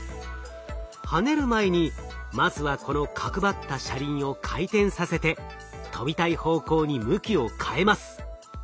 跳ねる前にまずはこの角張った車輪を回転させて跳びたい方向に向きを変えます。